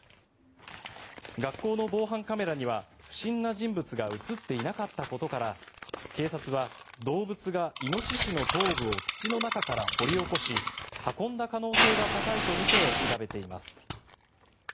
学校の防犯カメラには不審な人物が映っていなかったことから警察は、動物がイノシシの頭部を土の中から掘り起こし運んだ可能性が高いとみて調べています。